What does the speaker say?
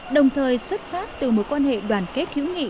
đồng thời xuất phát từ mối quan hệ đoàn kết hữu nghị